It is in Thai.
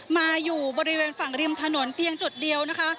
มาอยู่บริเวณฝั่งริมถนนเพียงจุดเดียวนะคะ